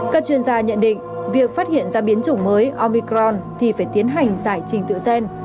các chuyên gia nhận định việc phát hiện ra biến chủng mới omicron thì phải tiến hành giải trình tự gen